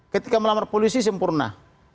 ketika melamar polisi sempurna